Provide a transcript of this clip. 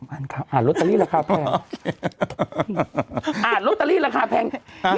อ่านล๊อตตฤ่ีละครแพง